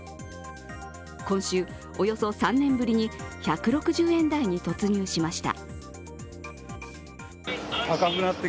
今週、およそ３年ぶりに１６０円台に突入しました。